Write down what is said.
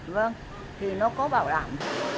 vâng thì nó có bảo đảm